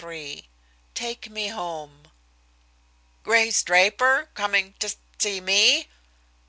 XLIII "TAKE ME HOME" "Grace Draper coming to see me!"